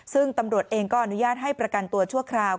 ซึ่งตำรวจเองก็อนุญาตให้ประกันตัวชั่วคราว